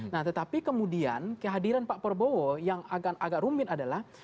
nah tetapi kemudian kehadiran pak prabowo yang agak rumit adalah